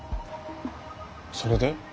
それで？